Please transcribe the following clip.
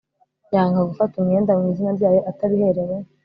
yanga gufata umwenda mu izina ryayo atabiherewe